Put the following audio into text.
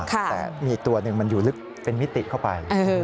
แต่มีตัวหนึ่งมันอยู่ลึกเป็นมิติเข้าไป